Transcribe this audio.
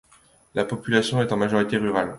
La population est en majorité rurale.